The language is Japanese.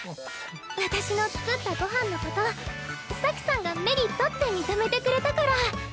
私の作ったご飯のこと咲さんがメリットって認めてくれたから。